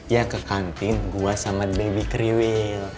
ya ke kantin gue sama baby kriwil